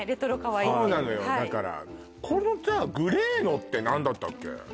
そうなのよだからこのグレーのって何だったっけ？